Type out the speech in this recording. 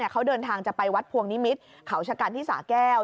เขาเดินทางจะไปวัดพวงนิมิตรเขาชะกันที่สาแก้ว